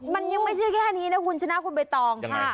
มันยังไม่ใช่แค่นี้นะคุณชนะคุณใบตองค่ะ